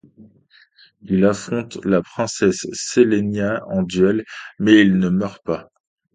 Il affronte la princesse Sélénia en duel, mais il ne meurt pas.